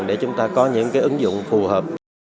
để chúng ta có những ứng dụng phù hợp